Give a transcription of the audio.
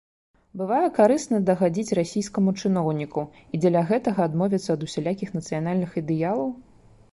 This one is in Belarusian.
Бывае карысна дагадзіць расійскаму чыноўніку, і дзеля гэтага адмовіцца ад усялякіх нацыянальных ідэалаў?